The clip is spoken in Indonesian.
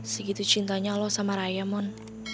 segitu cintanya lo sama raya mon